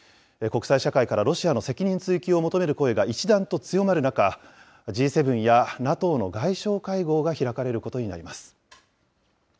国際社会からロシアの責任追及を求める声が一段と強まる中、Ｇ７やＮＡＴＯの外相会合が開かれることになります。